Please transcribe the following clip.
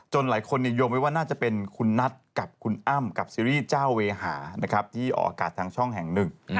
หลายคนนิยมไว้ว่าน่าจะเป็นคุณนัทกับคุณอ้ำกับซีรีส์เจ้าเวหานะครับที่ออกอากาศทางช่องแห่งหนึ่ง